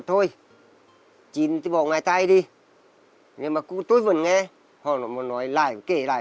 thời gian đầu làm lại